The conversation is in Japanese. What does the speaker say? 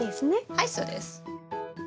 はいそうです。